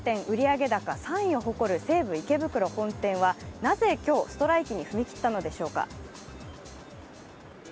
西武池袋本店はなぜ今日、ストライキに踏み切ったのでしょうか。